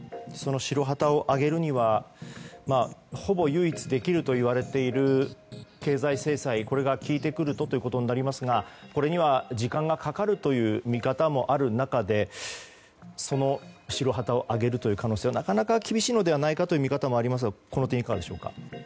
その白旗を揚げるにはほぼ唯一できるといわれている経済制裁が効いてくるとということになりますがこれには時間がかかるという見方もある中で、その白旗を揚げるという可能性はなかなか厳しいのではないかという見方もありますがこの点、いかがでしょうか？